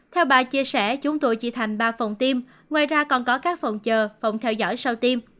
theo bà chia sẻ chúng tôi chia thành ba phòng tiêm ngoài ra còn có các phòng chờ phòng theo dõi sau tiêm